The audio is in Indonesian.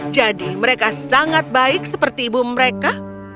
jadi mereka sangat baik seperti ibu mereka